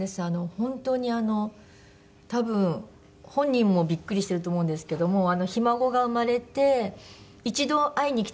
本当にあの多分本人もビックリしてると思うんですけどもひ孫が生まれて一度会いに来てくれたんですね。